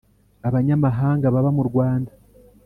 abanyamahanga baba mu Rwanda